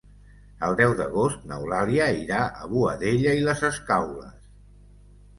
El deu d'agost n'Eulàlia irà a Boadella i les Escaules.